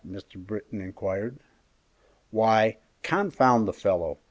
Mr. Britton inquired. "Why, confound the fellow!